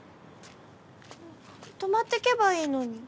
泊まってけばいいのに。